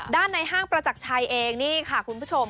ในห้างประจักรชัยเองนี่ค่ะคุณผู้ชม